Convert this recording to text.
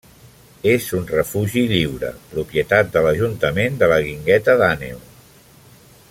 És un refugi lliure, propietat de l'Ajuntament de la Guingueta d'Àneu.